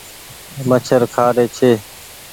مڇر کآ ري ڇي۔